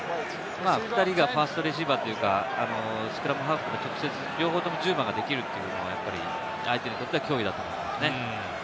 ２人がファーストレシーバーというか、スクラムハーフの両方とも１０番ができるというのが相手にとっては脅威だと思いますね。